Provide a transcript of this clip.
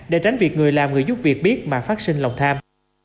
để tránh việc người làm người giúp việc biết mà phát sinh lòng tham